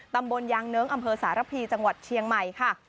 ตำบลยางเนิ้งอำเภอสารพีจังหวัดเชียงใหม่ค่ะ